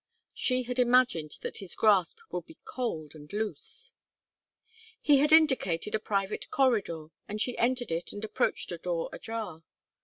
She had imagined that his grasp would be cold and loose. He had indicated a private corridor, and she entered it and approached a door ajar.